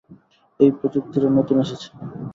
এই প্রযুক্তিটা নতুন এসেছে।